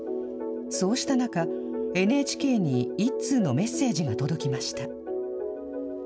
そうした中、ＮＨＫに１通のメッセージが届きました。